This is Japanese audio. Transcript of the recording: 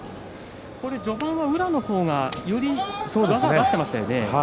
序盤は宇良の方が技を出していましたよね。